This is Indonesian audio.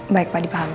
baik pak dipahami